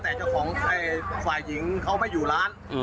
แต่เจ้าของฝ่ายหญิงเขาไม่อยู่ร้าน